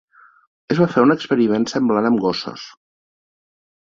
Es va fer un experiment semblant amb gossos.